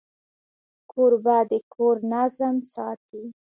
کوربه د کور نظم ساتي.